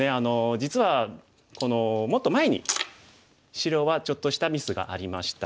実はこのもっと前に白はちょっとしたミスがありました。